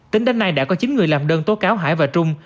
tính đến nay đã có chín người làm đơn tố cáo hải và trung